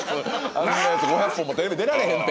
あんなヤツ５００本もテレビ出られへんて。